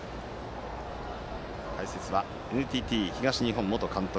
解説はＮＴＴ東日本元監督